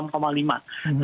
enam tujuh turun ke enam tiga